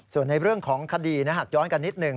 ส่วนในเรื่องของคดีหากย้อนกันนิดหนึ่ง